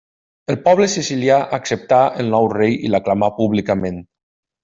El poble sicilià acceptà el nou rei i l'aclamà públicament.